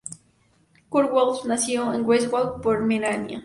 Kurt Wolff nació en Greifswald, Pomerania.